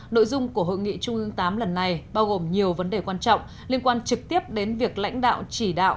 nội dung của hội nghị trung ương viii lần này bao gồm nhiều vấn đề quan trọng liên quan trực tiếp đến việc lãnh đạo chỉ đạo